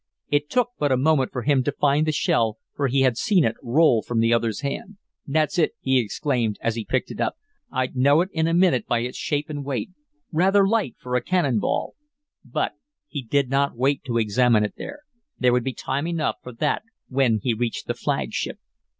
It took but a moment for him to find the shell, for he had seen it roll from the other's hand. "That's it," he exclaimed, as he picked it up. "I'd know it in a minute by its shape and weight. Rather light for a cannon ball." But he did not wait to examine it there. There would be time enough for that when he reached the flagship.